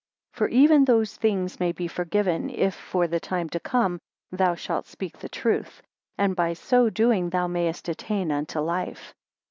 9 For even those things may be forgiven, if for the time to come thou shalt speak the truth; and by so doing thou mayest attain unto life.